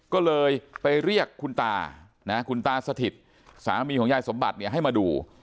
ก็เลยไปเรียกคุณตานะคุณตาสถิตสามีของยายสมบัติเนี่ยให้มาดู